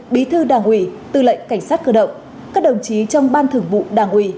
bí thư đảng ủy tư lệnh cảnh sát cơ động các đồng chí trong ban thưởng vụ đảng ủy